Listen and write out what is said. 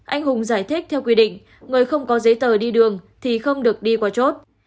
anh hùng giải thích theo quy định người không có giấy tờ đi đường thì không được đi qua chốt